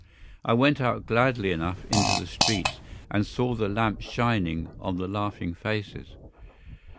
I went out gladly enough into the streets and saw the lamps shining on the laughing faces.